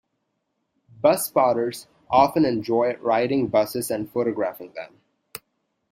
Bus spotters often enjoy riding buses and photographing them.